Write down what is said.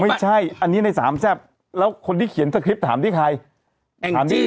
ไม่ใช่อันนี้ในสามแซ่บแล้วคนที่เขียนสคริปต์ถามที่ใครถามที่